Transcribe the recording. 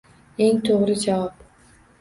Eng to’g’ri javob —